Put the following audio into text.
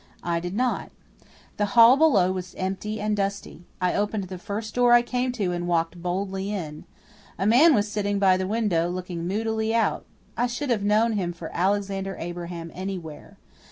I did not. The hall below was empty and dusty. I opened the first door I came to and walked boldly in. A man was sitting by the window, looking moodily out. I should have known him for Alexander Abraham anywhere.